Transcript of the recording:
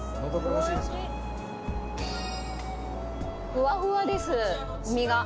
ふわふわです身が。